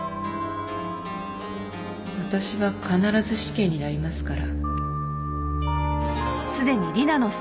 私は必ず死刑になりますから。